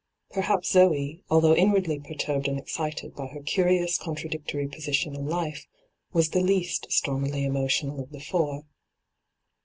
Perhaps Zoe, although inwardly perturbed and excited by her curious, contradictory position in life, was the least stormily emotional of the four.